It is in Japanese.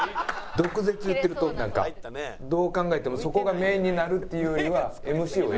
毒舌言ってるとなんかどう考えてもそこがメインになるっていうよりは。